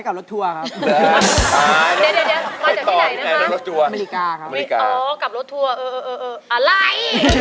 อ๋อกลับรถทัวร์เอออะไร